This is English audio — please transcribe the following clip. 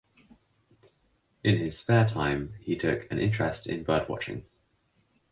In his spare time he took an interest in birdwatching.